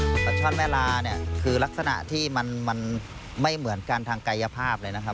ปลาช่อนแม่ลาเนี่ยคือลักษณะที่มันไม่เหมือนกันทางกายภาพเลยนะครับ